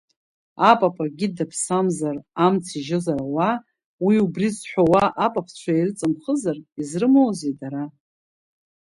Апап акгьы даԥсамзар, амц ижьозар ауаа, уи убри зҳәоуа апапцәа ирыҵырхызар, изрымоузеи дара?